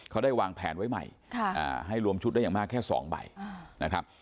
เขาได้วางแผนไว้ใหม่ให้รวมชุดได้อย่างมากแค่๒ใบนะครับ